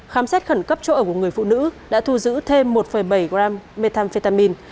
khám xét khẩn cấp chỗ ở của người phụ nữ đã thu giữ thêm một bảy g methamphetamine